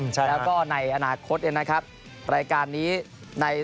แล้วก็ในอนาคตเองนะครับ